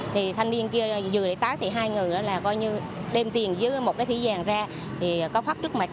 thì thanh niên kia vừa để tới thì hai người đó là coi như đem tiền dưới một cái thủy vàng ra thì có phát trước mặt